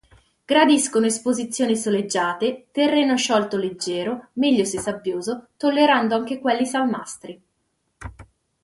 Gradiscono esposizioni soleggiate, terreno sciolto leggero, meglio se sabbioso, tollerando anche quelli salmastri.